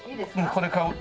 これ買う。